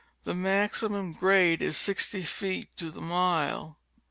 The maximum grade is 60 feet to the mile.